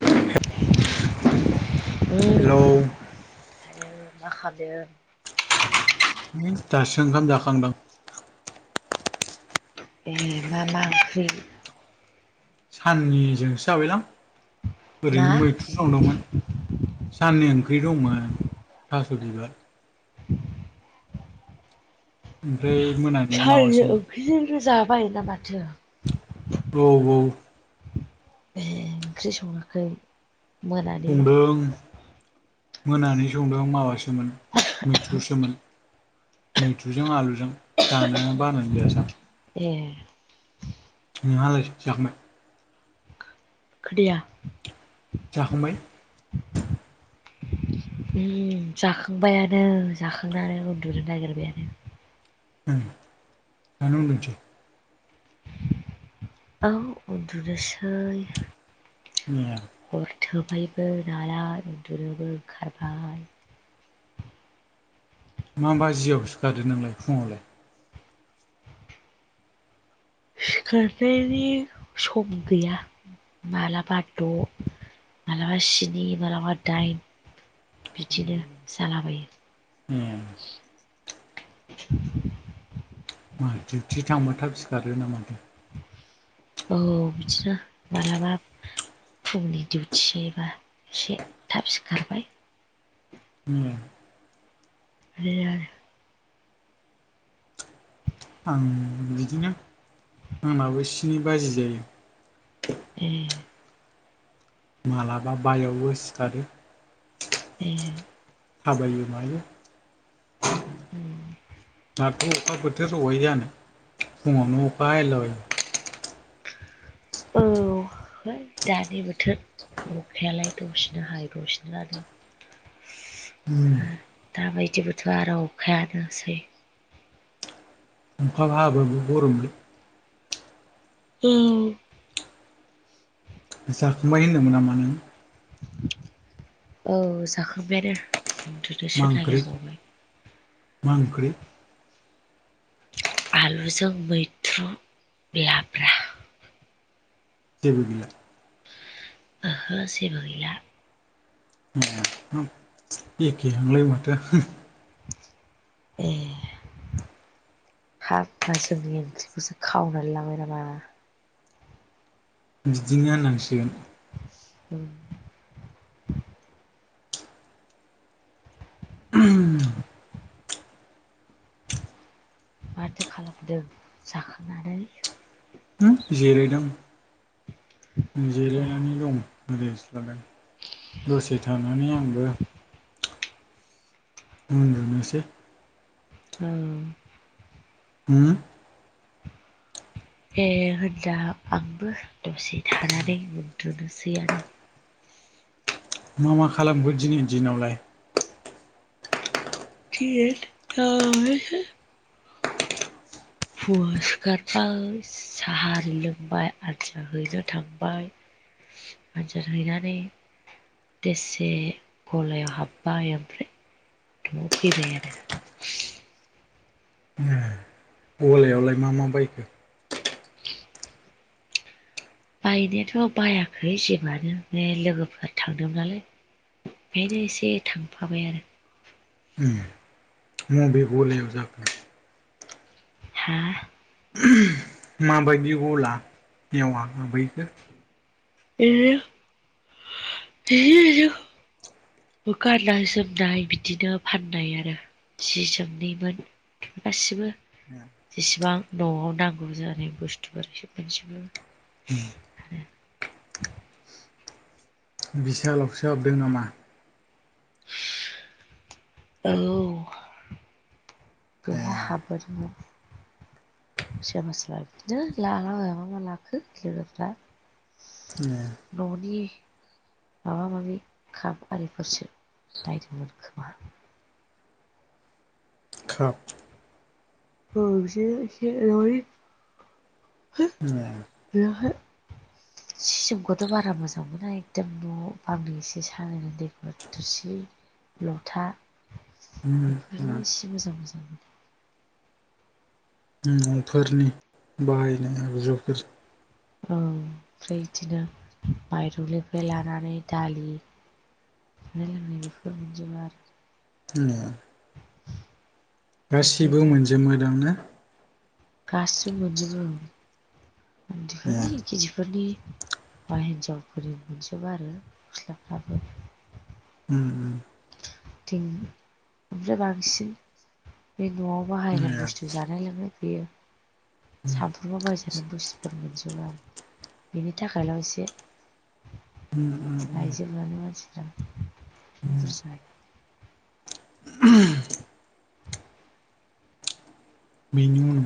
[inaudible] Hello हले मा खालामदो? दासो ओंखाम जाखांदों। ए मा मा ओंख्रि? साननिजोंसो जाबाय लां मा ओरैनो मैथ्रु संदोंमोन साननि ओंख्रि दंमोन थास' बिबार। ओमफ्राय मोनानिया साननि माबासोमोन। [unintelligible] माथो औ औ ख्रि संङाखै संदों मोनानि संदों माबासोमोन मैथ्रुसोमोन। मैथ्रुजों आलुजों जानो बानो जायासां। ए नोंहालाय जाखांबाय? [inaudible] जाखांबाय? [inaudible] उम जाखांबायानो जाखांनानै उन्दुनो नागिरबायानो। ओं दानो उन्दुनोसै? औ उन्दुनोसै [inaudible] हरथौबायबो नालाय उन्दुनोबो ओंखारबाय मा बाजिआव सिखारो नोंलाय फुङावलाय? सिखारनायनि सम गैया मालाबा द', मालाबा स्ननि, मालाबा दाइन, बिदिनो आयौ जालाबायो ए मा डिउथि थांबा थाब सिखारो नामा माथो? औ बिदिनो मालाबा फुंनि दिडिउथिबा एसे थाब सिखारबाय उम बे आरो आं बिदिनो आंनाबो स्ननि बाजि जायो। ए मालाबा बायाव सिखोरो ए थाबायो मायो ए दाथ' अखा बोथोर अबेहाय जानो फुङावनो अखा हालाबायो औ [inaudible] है दानि बोथोर अखायालाय दसेनो हायो दसेनो नागारो [inaudible] ओ दाबादि बोथोराव अखायानोसै अखा हाबाबो गरमलै ए जाखांबाय होनदों नामा नों? औ जाखांबाय आनो मा ओंख्रि मा ओंख्रि? आलुजों मैथ्रु लाब्रा जेबो गैया ओहो जेबो गैला। ए हाब एखे हांलाय माथो। एह हाब जोंनि ओंख्रिखौसो खावनानै लांबाय नामा बिदिनो होननांसिगोन उम माथो खालामदों जाखांनानै? होम जिरायदों जिरायनानै दं। रेस लादों दसे थानानै आंबो उनदुनोसै औ होम ए होनबा आंबो दसे थानानै उन्दुनोसै आरो नों मा खालामखो दिनैनि दिनावलाय? गियो [unintelligible] फुंआव सिखारबाय साहा लोंबाय आथिया हैनो थांबाय। [inaudible] [unintelligible] हैनानै देसे गलायाव हाबबाय ओमफ्राय न'आव फैबाय आरो। गलायाव लाय मा मा बायखो? [inaudible] बायनायाथ' बायाखै जेबोआनो बे लोगोफोर थांदोंमोन नालाय बेहायनो एसे थांफाबाय आरो। उम मबे गलायाव जाखो? हा मा बायदि गला याव हाबहैखो? इदिनो [unintelligible] बो गाननाय जोमनाय बिदिनो फाननाय आरो। जि जोमनिमोन गासिबो [unintelligible] जेसेबां न'आव नांगौ जानाय बुस्थुफोर सोब मोनजोबो। उम बिसालावसो हाबदों नामा? औ ए बेहाय हाबोदोंमोन। सोरबा सोरबा बिदिनो [unintelligible] लाखो लोगोफोरा [unintelligible] न'नि माबा माबि काप आरिफोरसो बायदोंमोन खोमा खाप औ इसे इसे न'नि हो ए बेवहाय सि जोमखौथ' बारा मोजां मोना इ [unintelligible] थोरसि, ल'था उम उम मानो इसे मोजां मोजां मोनोथाय उम न'फोरनि बाहायनाय आगजुफोर औ ओमफ्राय इदिनो माइरंनिफ्राय लानानै दालि जानाय लोंनाय बेफोर बायदिनो आरो। [unintelligible] गासिबो बेफोरथार मोनजोमो दां ना? गासिबो मोनजोबो औ ए [unintelligible] फोरनि बा हिनजावफोरनि मोनजोबो आरो गस्लाफ्राबो उम उम थिं ओमफ्राय बांसिन बे न'आव उम बाहायनाय ए बुस्थु जानाय लोंनाय फैयो। सामफ्रोमबो बायजोबनाय बुस्थुफोर मोनजोबा बिनि थाखायल' एसे बायजोबनानै मानसिफ्रा [inaudible] [unintelligible] बिनि उन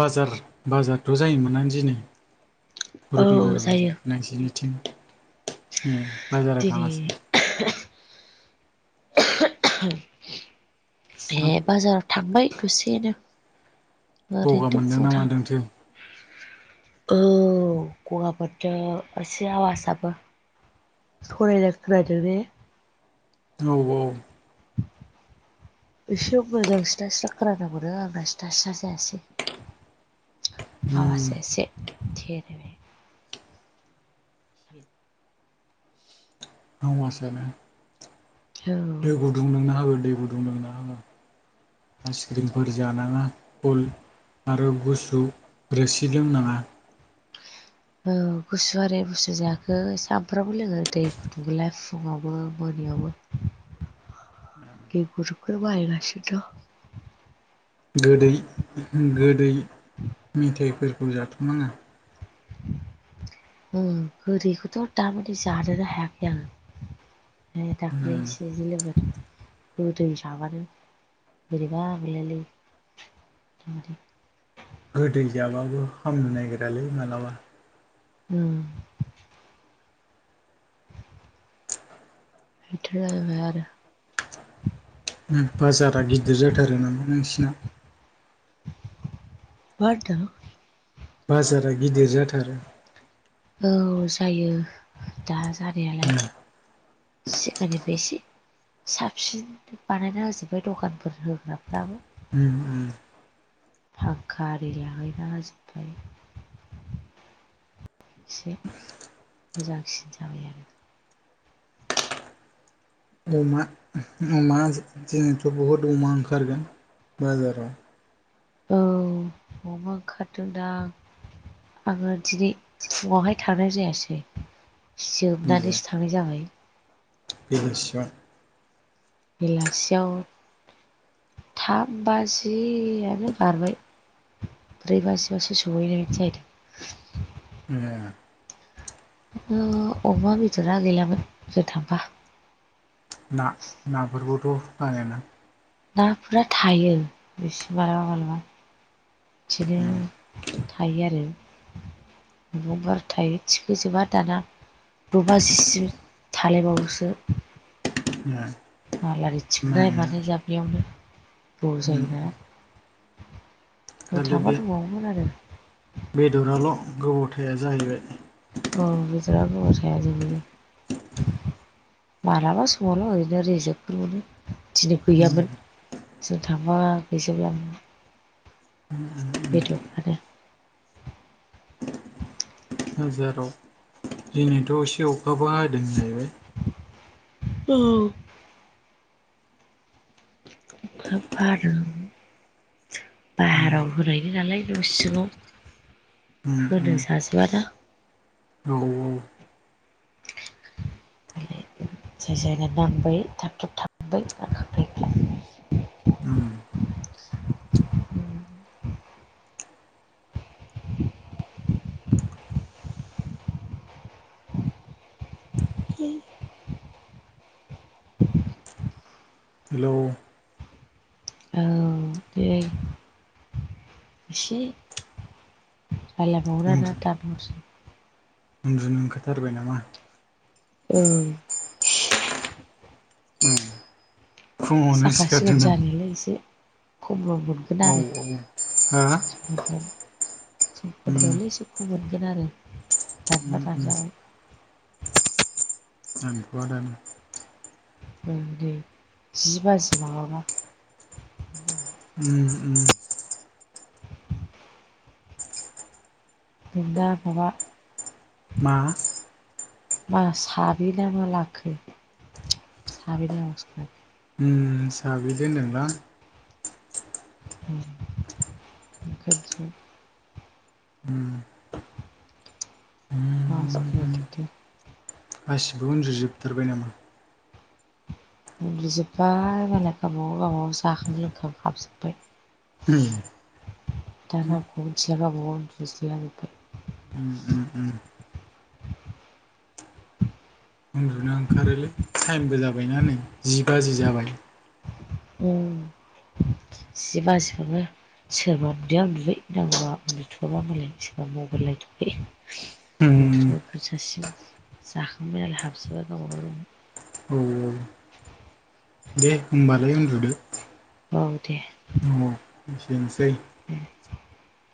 बाजार बाजारथ' जायोमोनना दिनै? रुबिबार औ जायो बाजार नोंसिनिथिं उम बाजाराव दिनै थाङासै? बे बाजाराव थांबाय दसेनो गगा ओरैनोथ' मोनदों फुङाव ना थां मादोंथो औ गगा मोनदों एसे आवासआबो थरायनाय खोनादों ने? औ औ। [unintelligible] एसे मोजां स्रा स्रा खोनानांगौना आंना सिथा सिथा जायासै। उम आवासा एसे थेरो। आवासाना औ दै गुदुं लोंना हो दै गुदुं लोंना हो। आइसक्रिमफोर जानाङा कुल आरो गुसु रोसि लोंनाङा। औ गुसुवा ओरै गुसु जायाखै सामफ्रामबो लोङो दै गुदुंखोलाय फुङावबो मोनायावबो। [inaudible] [unintelligible] गोदै गोदै मेथाइफोरखौ जाथ'नाङा। उम गोदैखौथ' दामानि जानोनो हायाखै आं नै उम दाख्लै एसे [inaudible] गोदै जाबानो बोरैबा मोनलायलायो। [unintelligible] गोदै जाबाबो हामनो नागिरालै मालाबा। उम। इनथ' जाहैबाय आरो। उम बाजारा गिदिर जाथारो नामा नोंसिना? मा होनदों? बाजारा गिदिर जाथारो? औ जायो दा जानायालाय। सिगांनिफाय एसे साबसिन बानायना होजोबबाय दखानफोर होग्राफ्राबो। उम। फांखा आरि लाहैना हाजोबबाय। से मोजांसिन जाबाय आरो। अमा अमा जे जेनेथ' बहुद अमा ओंखारगोन बाजाराव? औ अमा ओंखारदोंदां। आङो दिनै फुङावहाय थांनाय जायासै। जोबनानैसो थांनाय जाबाय। [unintelligible] बेलासियाव थाम बाजियानो बारबाय। ब्रै बासियावसो सहैनाय जाहैदों। [unintelligible] औ अमा बेदरा गैलामोन जों थांबा। ना नाफोरखौथ' बानायोना नाफोरा थायो एसे मालाबा मालाबा उम बिदिनो थायो आरो मैगंफोर थायो थिखोजोबा दाना द' बाजिसिम थालायबावोसो [unintelligible] माल गारि थिखोननाय नाया मानाय जाबनायावनो गोबाव उम जायोना। जों खालि थांबा बे दंबावो मोन आरो बेदराल' गोबावथाया जाहैबाय अ बेदरा गोबाव थाया देलै मालाबा समावल' ओरैनो रेजेकफोर मोनो। दिनै गैयामोन जों थांबा गैजोब्लामोन। [unintelligible] बेदर आरो हाजाराव दिनैथ' एसे अखाबो हादों जाहैबाय औ। खोब हादों। उम बाहाराव होनायनि नालाय न' सिङाव उम होनो उम जाजोबाना औ औ। जाय जायना नांबाय थाब थाब थाबबाय नाखांबाय उम ओं [unintelligible] हेलौ, औ देक एसे उन्दु [unintelligible] उन्दुनो ओंखारथारबाय नामा ओं उम फुङावनो साखा सिखोन सिखारदों नामा जानिलै एसे खमल' मोनगोन औ आरो औ हा [unintelligible] मोनगोन उम आरो दानबा उम उम दानजागोन थांथया दानो उम दे जि बाजि माबाबा उम उम। [unintelligible] मा मा साबिना मा लाखो [unintelligible] नों साब्रै दोनदों रां उम खाथियाव उम मास [unintelligible] उम गासिबो उन्दुजोबथारबाय नामा? उनदुजोब्बाय मालाय गावबागाव गावबागाव जाखां लोंखां हाबजोबबाय। [unintelligible] दाना रावखौबो मिथिला गावबागाव उन्दुसिला जोब्बाय उम उम उम ना ओंखारोलै टाइमबो जाबायना नै जि बाजि जाबाय। उम जि बाजिबाबो सोरबा उनदुुनाया उनदुबाय नांगबा उन्दुथ'आबा मालाय सोरबा मबाइल नायथ'बाय उम उनदुनो ओंखार जासिम जाखांबाय नालाय हाबजोब्बाय गावबागाव रुम। औ औ दे होमबालाय उनदुदो। औ दे। एसेनोसै [unintelligible]